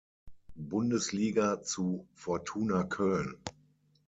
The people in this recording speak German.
Bundesliga zu Fortuna Köln.